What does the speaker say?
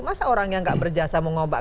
masa orang yang nggak berjasa mengobak ngabak